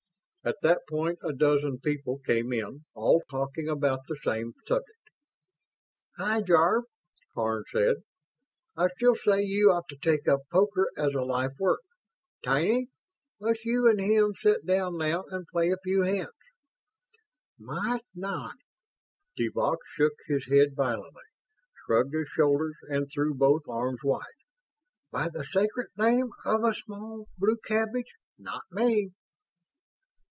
At that point a dozen people came in, all talking about the same subject. "Hi, Jarve," Karns said. "I still say you ought to take up poker as a life work. Tiny, let's you and him sit down now and play a few hands." "Mais non!" de Vaux shook his head violently, shrugged his shoulders and threw both arms wide. "By the sacred name of a small blue cabbage, not me!"